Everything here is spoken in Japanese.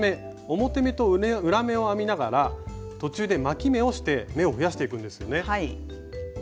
表目と裏目を編みながら途中で巻き目をして目を増やしていくんですよね。